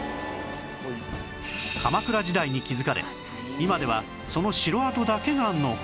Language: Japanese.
鎌倉時代に築かれ今ではその城跡だけが残る